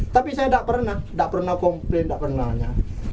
tapi saya tidak pernah tidak pernah komplain tidak pernahnya